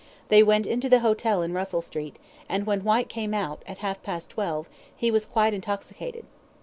They went into the hotel in Russell Street, and when Whyte came out, at half past twelve, he was quite intoxicated.